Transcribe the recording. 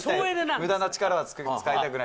むだな力は使いたくない。